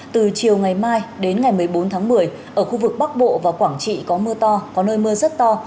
từ chiều ngày mai đến ngày một mươi bốn tháng một mươi ở khu vực bắc bộ và quảng trị có mưa to có nơi mưa rất to